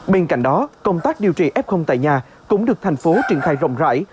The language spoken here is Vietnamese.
bên cạnh đó công tác điều trị f tại nhà cũng được thành phố triển khai rộng rãi